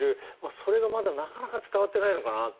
それがまだ、なかなか伝わっていないのかなと。